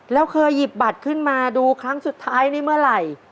แล้วเคยหยิบบัตรขึ้นมาดูครั้งสุดท้ายนี่เมื่อไหร่